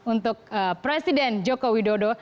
untuk presiden joko widodo